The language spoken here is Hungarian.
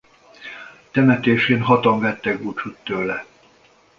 Temetésén hatan vettek búcsút tőle.